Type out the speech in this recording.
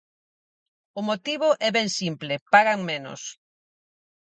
O motivo é ben simple: pagan menos.